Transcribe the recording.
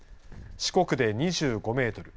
四国で２５メートル